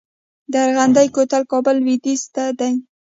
د ارغندې کوتل کابل لویدیځ ته دی